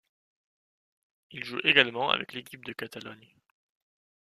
Il joue également avec l'équipe de Catalogne.